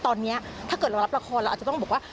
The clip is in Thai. ตอนนี้ถ้าเกิดเรารับละครเราอาจจะต้องบอกว่า